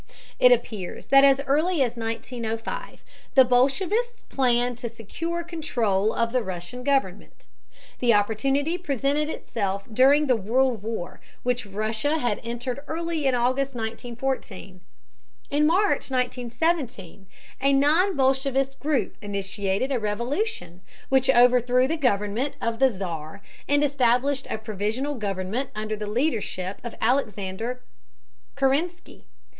It appears that as early as 1905 the bolshevists planned to secure control of the Russian government. The opportunity presented itself during the World War, which Russia had entered early in August, 1914. In March, 1917, a non bolshevist group initiated a revolution, which overthrew the government of the Czar and established a provisional government under the leadership of Alexander Kerensky.